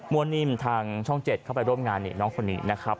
นิ่มทางช่อง๗เข้าไปร่วมงานน้องคนนี้นะครับ